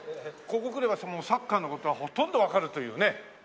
ここ来ればもうサッカーの事はほとんどわかるというね。